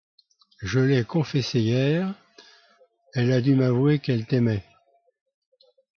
Je l'ai confessée hier, elle a dû m'avouer qu'elle t'aimait.